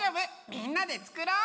みんなでつくろう！